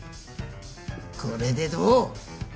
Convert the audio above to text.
これでどう？